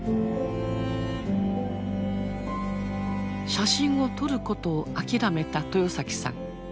写真を撮ることを諦めた豊さん。